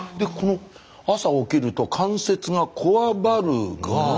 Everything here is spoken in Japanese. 朝起きると関節がこわばるが。